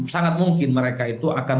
sangat mungkin mereka itu akan